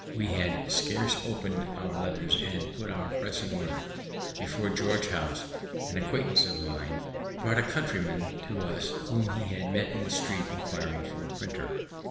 We had scarce opened our letters and put our press in order, before George House, an acquaintance of mine, brought a countryman to us, whom he had met in the street inquiring for a printer.